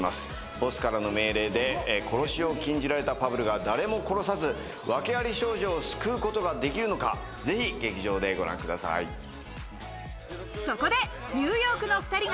ボスからの命令で殺しを禁じられたファブルが誰も殺さず、訳あり少女を救うことができるのそこでニューヨークの２人が